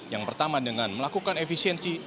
yang pertama dengan melakukan efisiensi